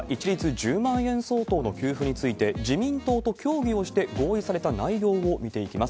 １０万円相当の給付について、自民党と協議をして合意された内容を見ていきます。